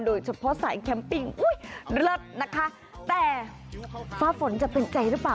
โดยเฉพาะสายแคมปิ้งอุ้ยเลิศนะคะแต่ฟ้าฝนจะเป็นใจหรือเปล่า